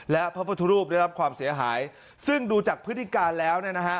และพระพุทธรูปได้รับความเสียหายซึ่งดูจากพฤติการแล้วเนี่ยนะฮะ